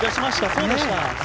そうでしたね。